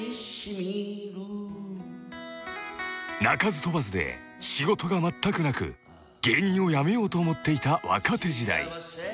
［鳴かず飛ばずで仕事がまったくなく芸人を辞めようと思っていた若手時代］